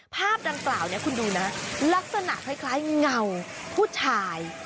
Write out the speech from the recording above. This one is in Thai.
ภาพดังกล่าวนี้คุณดูนะลักษณะคล้ายเงาผู้ชาย